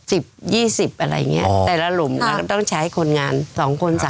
๑๐๒๐ทั้งหลุมต้องใช้คนงาน๒๓คน